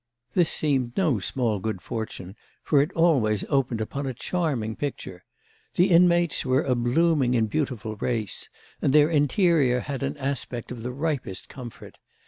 This seemed no small good fortune, for it always opened upon a charming picture. The inmates were a blooming and beautiful race, and their interior had an aspect of the ripest comfort.